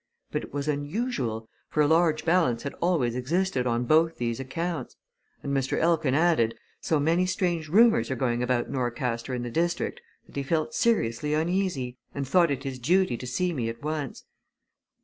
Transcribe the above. But it was unusual, for a large balance had always existed on both these accounts. And, Mr. Elkin added, so many strange rumours are going about Norcaster and the district, that he felt seriously uneasy, and thought it his duty to see me at once.